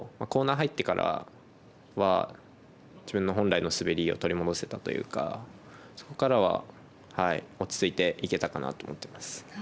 コーナー入ってからは自分の本来の滑りを取り戻せたというかそこからは落ち着いていけたかなと思ってます。